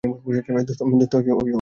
দোস্ত, স্বাতী আসছে।